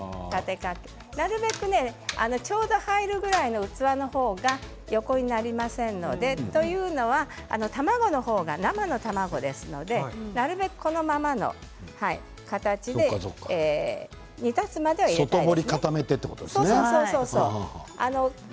なるべくちょうど入るくらいの器の方が横になりませんのでというのは卵の方が生の卵ですからなるべく、このままの形で煮立つまでは外堀を固めたいということですね。